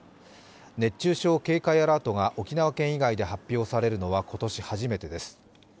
熱中症警戒アラートが沖縄県以外で発表されるのは今年初めてです。